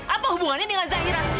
apa hubungannya dengan zahira